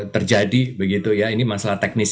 terjadi begitu ya ini masalah teknis